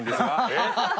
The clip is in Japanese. えっ？